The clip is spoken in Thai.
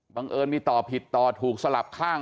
เอิญมีต่อผิดต่อถูกสลับข้าง